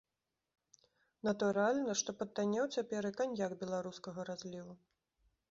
Натуральна, што патаннеў цяпер і каньяк беларускага разліву.